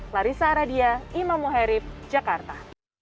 larissa aradia imam muhairib jakarta